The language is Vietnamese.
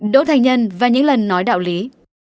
đỗ thành nhân và những lần nói đạo lý